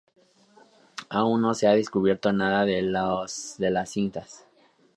Aún no se ha descubierto nada de lo de las cintas.